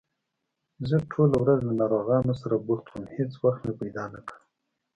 زه ټوله ورځ له ناروغانو سره بوخت وم، هېڅ وخت مې پیدا نکړ